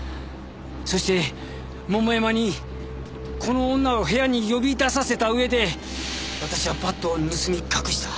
そして桃山にこの女を部屋に呼び出させた上で私はバットを盗み隠した。